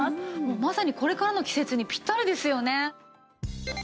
まさにこれからの季節にピッタリですよね。